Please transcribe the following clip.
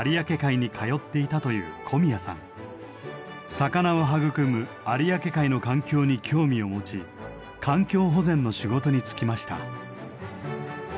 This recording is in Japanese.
魚を育む有明海の環境に興味を持ち環境保全の仕事に就きました。